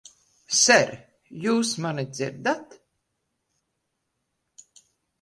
Ser, jūs mani dzirdat?